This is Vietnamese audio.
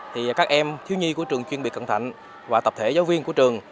thì các em thiếu nhi của trường chuyên biệt cần thạnh và tập thể giáo viên của trường